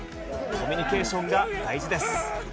コミュニケーションが大事です。